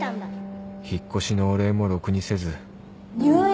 引っ越しのお礼もろくにせず入院！？